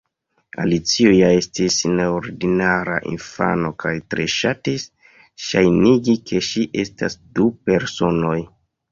Alicio ja estis neordinara infano kaj tre ŝatis ŝajnigi ke ŝi estas du personoj.